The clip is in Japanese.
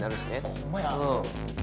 ホンマや。